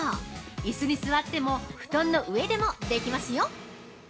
椅子に座っても布団の上でもできますよ。